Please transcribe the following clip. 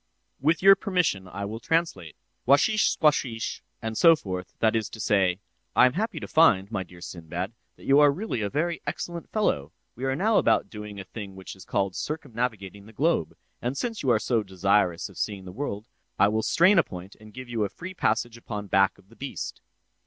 With your permission, I will translate. 'Washish squashish,' and so forth:—that is to say, 'I am happy to find, my dear Sinbad, that you are really a very excellent fellow; we are now about doing a thing which is called circumnavigating the globe; and since you are so desirous of seeing the world, I will strain a point and give you a free passage upon back of the beast.